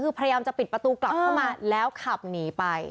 คือพยายามจะปิดประตูกลับเข้ามาแล้วขับหนีไป